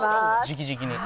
直々に。